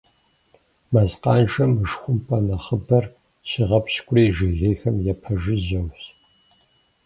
Мэз къанжэм мышхумпӏэ нэхъыбэр щигъэпщкӏури жыгейхэм япэжыжьэущ.